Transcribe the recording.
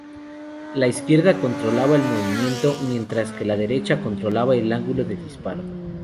La izquierda controlaba el movimiento, mientras que la derecha controlaba el ángulo de disparo.